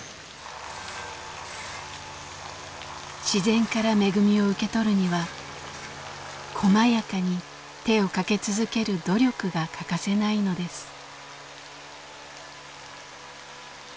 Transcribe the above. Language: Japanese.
自然から恵みを受け取るには細やかに手をかけ続ける努力が欠かせないのです。